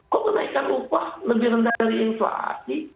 kok kenaikan upah lebih rendah dari inflasi